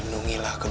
itu apa coach